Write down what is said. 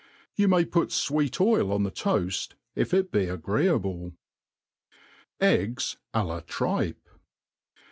You may put fwcet oil on the toafl^. if it be agreeable* Eggs a la Tripe.